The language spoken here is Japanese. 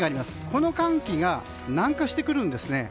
この寒気が南下してくるんですね。